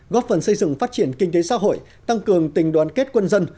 góp phần xây dựng phát triển kinh tế xã hội tăng cường tình đoàn kết quân dân